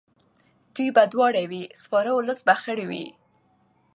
دوی به دواړه وي سپاره اولس به خر وي.